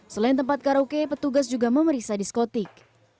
selain tempat karaoke petugas juga memeriksa diskotik